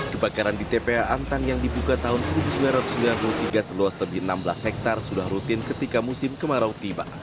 kebakaran di tpa antang yang dibuka tahun seribu sembilan ratus sembilan puluh tiga seluas lebih enam belas hektare sudah rutin ketika musim kemarau tiba